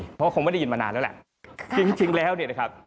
เพราะว่าคงมันชินมานานและ